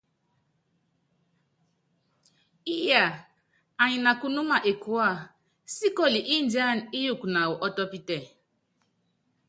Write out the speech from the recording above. Íyaa, anyi nakunúma ekuea, síkoli ndiána íyuku naawɔ ɔ́tɔ́pítɛ.